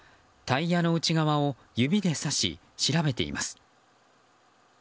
タイヤの内側を指で差し調べています。